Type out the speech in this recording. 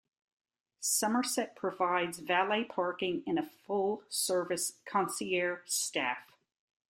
Somerset provides valet parking and a full-service concierge staff.